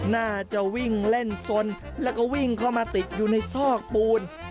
น่าจะวิ่งเล่นสนแล้วก็วิ่งเข้ามาติดอยู่ในซอกปูน